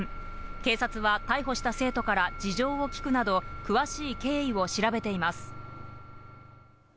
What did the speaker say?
警察は、逮捕した生徒から事情を聴くなど、詳しい経緯を調べています。